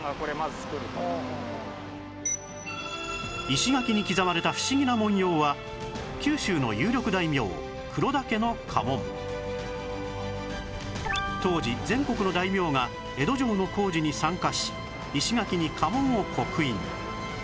石垣に刻まれた不思議な文様は九州の有力大名当時全国の大名が江戸城の工事に参加し石垣に家紋を刻印